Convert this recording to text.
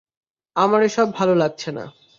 আমার এসব ভালো লাগছে না।